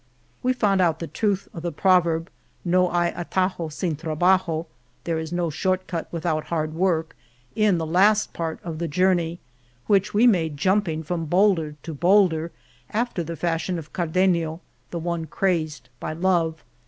We found out the truth of the proverb {no hay atajo sin trabajo) "there is no short cut without hard work " in the last part of the journey, which we made jumping from boulder to boulder, after the fashion of Car denio, the One Crazed by Love.